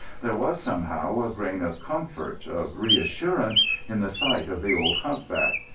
There was somehow a grain of comfort, of reassurance, in the sight of the old humpback.